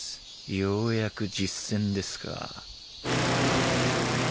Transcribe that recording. ようやく実戦ですか